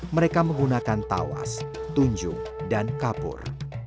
mereka menggunakan tawas tunjung dan kapur